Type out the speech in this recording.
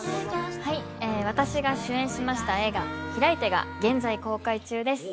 はい私が主演しました映画「ひらいて」が現在公開中です